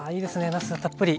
なすがたっぷり。